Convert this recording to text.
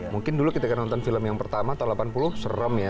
mungkin dulu ketika nonton film yang pertama tahun delapan puluh serem ya